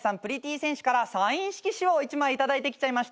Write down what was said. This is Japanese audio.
戦士からサイン色紙を１枚頂いてきちゃいました。